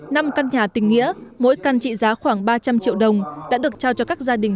năm căn nhà tình nghĩa mỗi căn trị giá khoảng ba trăm linh triệu đồng đã được trao cho các gia đình